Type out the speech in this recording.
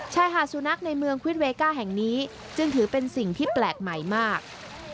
ชายหาดสุนัขในเมืองควิดเวก้าแห่งนี้จึงถือเป็นสิ่งที่แปลกใหม่มาก